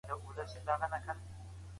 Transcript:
اقتصادي ثبات به راسي.